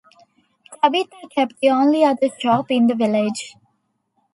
Tabitha kept the only other shop in the village.